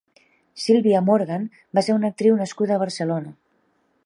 Silvia Morgan va ser una actriu nascuda a Barcelona.